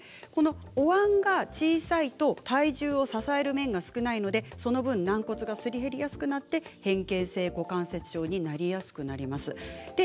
この、おわんが小さいと体重を支える面が少ないのでその分、軟骨がすり減りやすくなって変形性股関節症になりやすくなります。